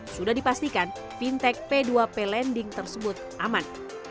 sudah dipastikan fintech p dua p lending tersebut aman